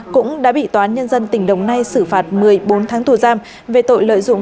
cũng đã bị tòa án nhân dân tỉnh đồng nai xử phạt một mươi bốn tháng tù giam về tội lợi dụng